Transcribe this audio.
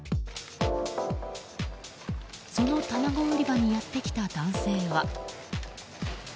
その卵売り場にやってきた男性は。